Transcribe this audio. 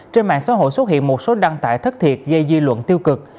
trên mạng xã hội xuất hiện một số đăng tải thất thiệt gây dư luận tiêu cực